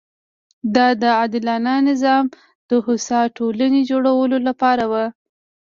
دا د عادلانه نظام او هوسا ټولنې جوړولو لپاره وه.